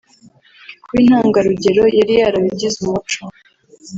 Kuba intangarugero yari yarabigize umuco